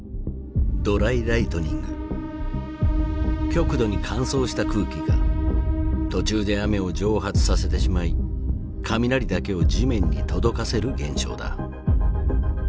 極度に乾燥した空気が途中で雨を蒸発させてしまい雷だけを地面に届かせる現象だ。